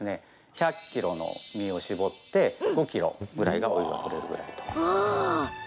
１００ｋｇの実を搾って５ｋｇぐらいのオイルが取れるぐらいと。